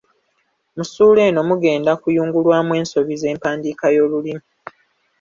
Mu ssuula eno mugenda kuyungulwamu ensobi z’empandiika y’olulimi.